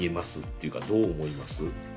っていうかどう思います？